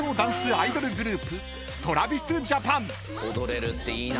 踊れるっていいな。